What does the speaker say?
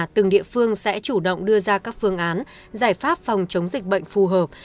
từng địa phương sẽ chủ động đưa ra các phương án giải pháp phòng chống dịch bệnh phù hợp